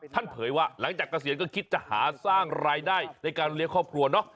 เผยว่าหลังจากเกษียณก็คิดจะหาสร้างรายได้ในการเลี้ยงครอบครัวเนาะ